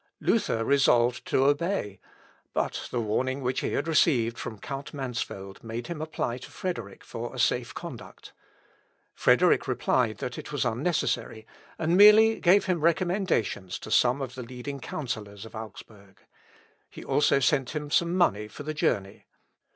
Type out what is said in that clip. Luther resolved to obey; but the warning which he had received from Count Mansfeld made him apply to Frederick for a safe conduct. Frederick replied that it was unnecessary, and merely gave him recommendations to some of the leading counsellors of Augsburg. He also sent him some money for the journey.